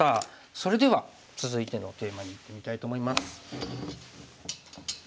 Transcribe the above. それでは続いてのテーマにいってみたいと思います。